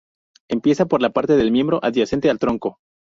Empieza por la parte del miembro adyacente al tronco.